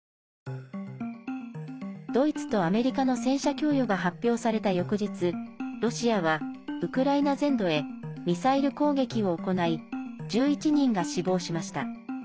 ドイツとアメリカの戦車供与が発表された翌日ロシアはウクライナ全土へミサイル攻撃を行い１１人が死亡しました。